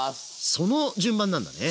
その順番なんだね。